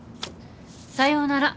さようなら。